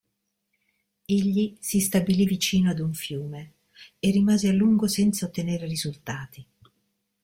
Egli si stabilì vicino ad un fiume e rimase a lungo senza ottenere risultati.